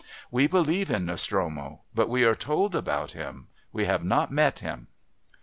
We believe in Nostromo, but we are told about him we have not met him.